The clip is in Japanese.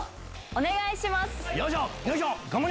お願いします。